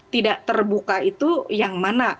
tidak terbuka itu yang mana